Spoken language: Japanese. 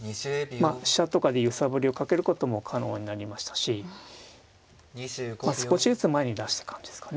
まあ飛車とかで揺さぶりをかけることも可能になりましたし少しずつ前に出していく感じですかね。